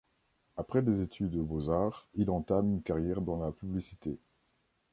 Après des études aux Beaux-Arts, il entame une carrière dans la publicité.